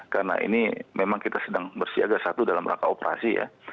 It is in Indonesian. karena ini memang kita sedang bersiaga satu dalam rangka operasi ya